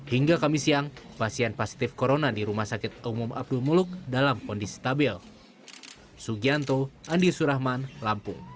hingga kamis siang pasien positif corona di rumah sakit umum abdul muluk dalam kondisi stabil